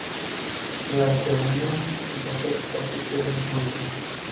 De asemenea, îi doresc toate cele bune.